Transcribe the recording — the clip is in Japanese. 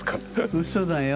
うそだよ。